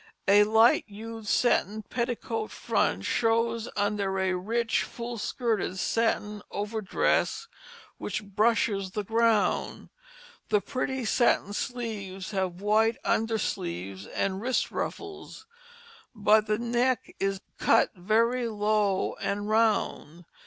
A light hued satin petticoat front shows under a rich full skirted satin over dress which brushes the ground. The pretty satin sleeves have white under sleeves and wrist ruffles, but the neck is cut very low and round.